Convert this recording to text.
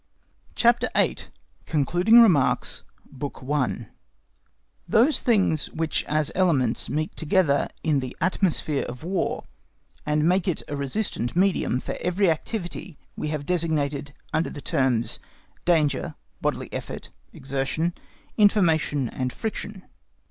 CHAPTER VIII. Concluding Remarks, Book I Those things which as elements meet together in the atmosphere of War and make it a resistant medium for every activity we have designated under the terms danger, bodily effort (exertion), information, and friction.